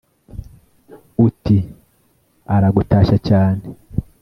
uti: aragutashya cyane